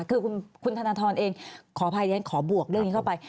คือคุณธนธรณ์เองขอภายในการขอบวกเรื่องนี้เข้าไป